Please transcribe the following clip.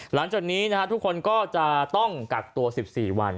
หลังจากนี้ทุกคนก็จะต้องกักตัว๑๔วัน